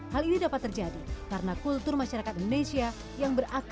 hal ini dapat terjadi karena kultur masyarakat indonesia yang berada di luar negara